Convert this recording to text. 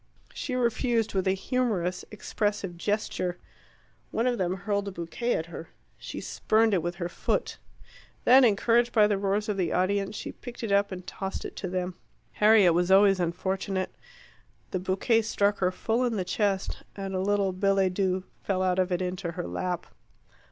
She refused, with a humorous, expressive gesture. One of them hurled a bouquet at her. She spurned it with her foot. Then, encouraged by the roars of the audience, she picked it up and tossed it to them. Harriet was always unfortunate. The bouquet struck her full in the chest, and a little billet doux fell out of it into her lap.